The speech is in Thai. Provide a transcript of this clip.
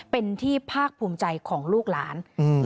เป็นที่ภาคภูมิใจของลูกหลาน